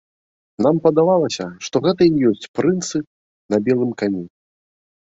Нам падавалася, што гэта і ёсць прынцы на белым кані.